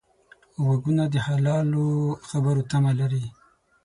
غوږونه د حلالو خبرو تمه لري